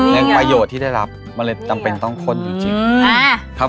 และประโยชน์ที่ได้รับมันเลยจำเป็นต้องข้นจริง